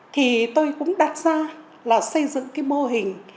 thì tôi cũng đặt ra là xây dựng cái mô hình